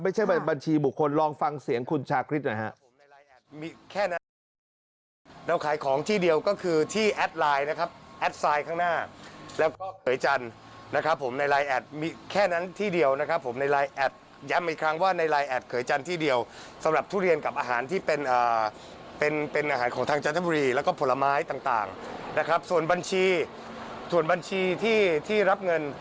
ไม่ใช่บัญชีบุคคลลองฟังเสียงคุณชาคริสหน่อยฮะ